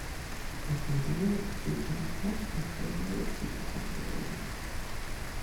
Das Museum ist durch eine Schlacht im Zweiten Weltkrieg bekannt geworden.